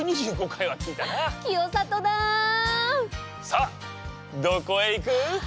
さあどこへ行く？